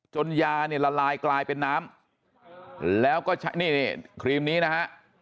ยาเนี่ยละลายกลายเป็นน้ำแล้วก็นี่ครีมนี้นะฮะ